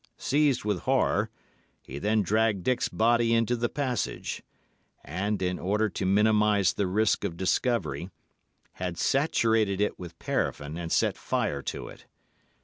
Seized with horror, he then dragged Dick's body into the passage, and, in order to minimise the risk of discovery, had saturated it with paraffin and set fire to it.